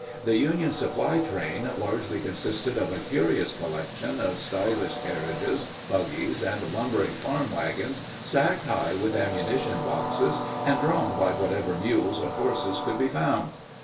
The Union supply train largely consisted of a curious collection of stylish carriages, buggies, and lumbering farm wagons stacked high with ammunition boxes and drawn by whatever mules or horses could be found.